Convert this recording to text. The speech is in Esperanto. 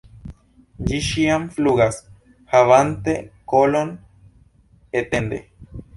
Ĝi ĉiam flugas havante kolon etende.